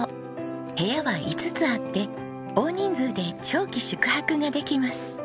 部屋は５つあって大人数で長期宿泊ができます。